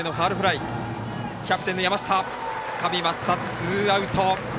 ツーアウト。